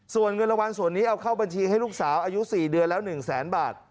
ส่วนเงินรางวัลส่วนนี้เอาเข้าบัญชีให้ลูกสาวอายุ๔เดือนแล้ว๑แสนบาท